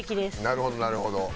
なるほどなるほど。